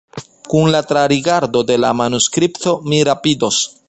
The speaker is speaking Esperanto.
Kun la trarigardo de la manuskripto mi rapidos.